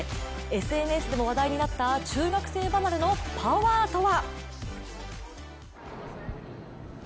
ＳＮＳでも話題になった中学生離れのパワーとは。